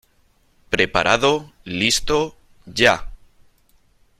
¡ Preparado , listo ... Ya !